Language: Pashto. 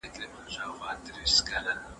د کار پر وخت جکړې د کار کیفیت خرابوي.